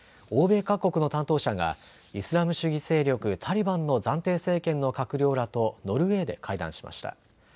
欧米各国の担当者がイスラム主義勢力タリバンの暫定政権の閣僚らとノルウェーで会談しました。